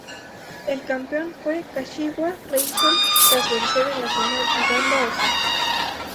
El campeón fue Kashiwa Reysol, tras vencer en la final a Gamba Osaka.